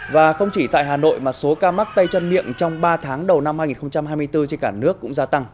và không chỉ tại hà nội mà số ca mắc tay chân miệng trong ba tháng đầu năm hai nghìn hai mươi bốn trên cả nước cũng gia tăng